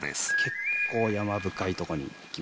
結構山深いとこに来ました。